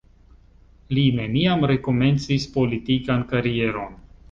Li neniam rekomencis politikan karieron.